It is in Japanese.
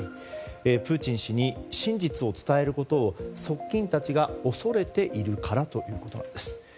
プーチン氏に真実を伝えることを側近たちが恐れているからだということです。